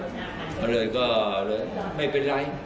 ปลอดภัยจะเคยขอไม่เป็นไร